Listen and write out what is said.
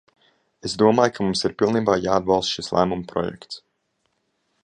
Es domāju, ka mums ir pilnībā jāatbalsta šis lēmuma projekts.